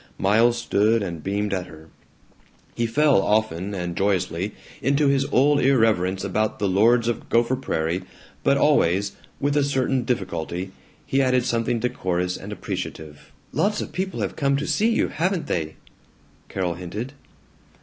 Miles stood and beamed at her. He fell often and joyously into his old irreverence about the lords of Gopher Prairie, but always with a certain difficulty he added something decorous and appreciative. "Lots of people have come to see you, haven't they?" Carol hinted.